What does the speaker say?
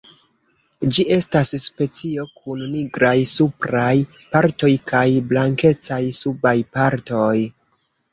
Ĝi estas specio kun nigraj supraj partoj kaj blankecaj subaj partoj.